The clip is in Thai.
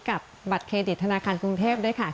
บัตรเครดิตธนาคารกรุงเทพด้วยค่ะ